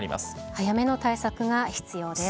早めの対策が必要です。